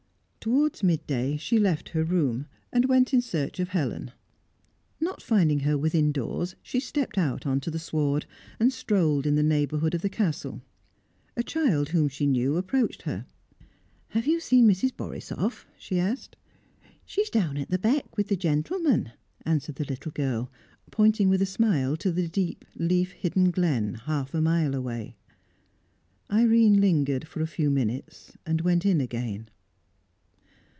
Towards midday she left her room, and went in search of Helen; not finding her within doors, she stepped out on to the sward, and strolled in the neighbourhood of the Castle. A child whom she knew approached her. "Have you seen Mrs. Borisoff?" she asked. "She's down at the beck, with the gentleman," answered the little girl, pointing with a smile to the deep, leaf hidden glen half a mile away. Irene lingered for a few minutes and went in again.